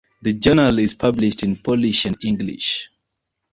The journal is published in Polish and English.